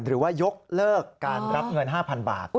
หรือว่ายกเลิกการรับเงิน๕๐๐๐บาท